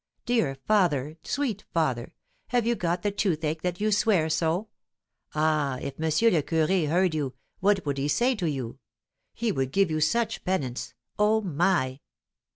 "Dear father! sweet father! have you got the toothache that you swear so? Ah, if Monsieur le Curé heard you, what would he say to you? He would give you such penance! Oh, my!"